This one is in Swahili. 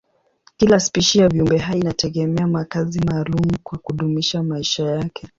Kila spishi ya viumbehai inategemea makazi maalumu kwa kudumisha maisha yake.